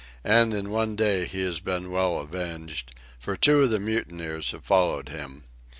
And in one day he has been well avenged; for two of the mutineers have followed him.